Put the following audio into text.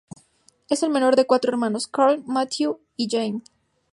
Es el menor de cuatro hermanos: Karl, Mathew y Jamie.